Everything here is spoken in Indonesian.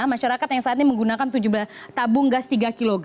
masyarakat yang saat ini menggunakan tabung gas tiga kg